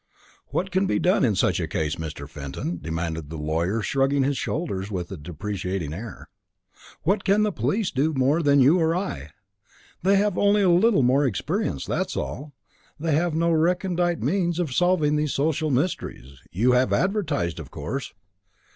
"What can be done in such a case, Mr. Fenton?" demanded the lawyer, shrugging his shoulders with a deprecating air. "What can the police do more than you or I? They have only a little more experience, that's all; they have no recondite means of solving these social mysteries. You have advertised, of course?"